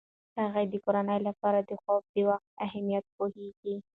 هغې د کورنۍ لپاره د خوب د وخت اهمیت پوهیږي.